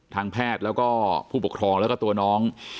ทางแพทย์แล้วก็ผู้ปกครองแล้วก็ตัวน้อง